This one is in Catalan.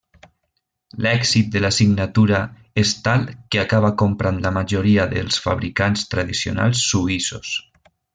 L'èxit de la signatura és tal que acaba comprant la majoria dels fabricants tradicionals suïssos.